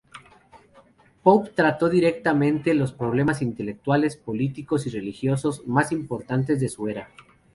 Pope trató directamente los problemas intelectuales, políticos y religiosos más importantes de su era.